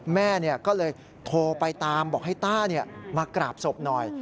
แม่ก็เลยโทรไปตามบอกให้ต้ามากราบศพหน่อย